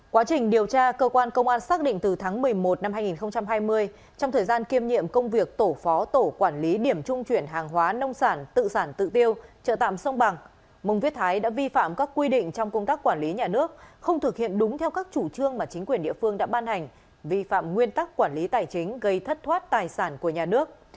quá trình điều tra cơ quan công an xác định từ tháng một mươi một năm hai nghìn hai mươi trong thời gian kiêm nhiệm công việc tổ phó tổ quản lý điểm trung chuyển hàng hóa nông sản tự sản tự tiêu chợ tạm sông bằng mông viết thái đã vi phạm các quy định trong công tác quản lý nhà nước không thực hiện đúng theo các chủ trương mà chính quyền địa phương đã ban hành vi phạm nguyên tắc quản lý tài chính gây thất thoát tài sản của nhà nước